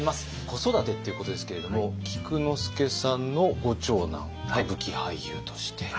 子育てっていうことですけれども菊之助さんのご長男歌舞伎俳優として。